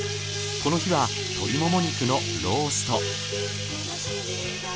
この日は鶏もも肉のロースト。